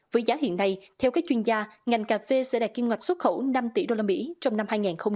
với giá hiện nay theo các chuyên gia ngành cà phê sẽ đạt kiêm ngạch xuất khẩu năm tỷ đô la mỹ trong năm hai nghìn hai mươi bốn